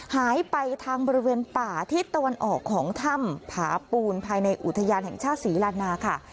หายไปทางบริเวณป่าทิศตะวันออกของถ้ำผาปูนภายในอุทยานแห่งชาติศรีลานาค่ะ